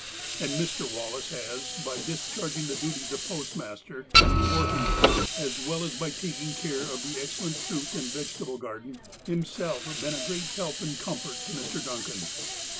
And Mr. Wallace has, by discharging the duties of i^ostmaster, and wharfinger, as well as by taking care of the excellent fruit and vegetable garden, himself been a great help and comfort to Mr. Duncan.